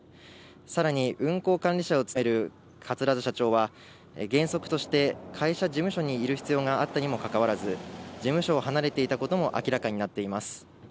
さらに運航管理者を務める桂田社長は原則として会社事務所にいる必要があったにもかかわらず、事務所を離れていたことも明らかになっています。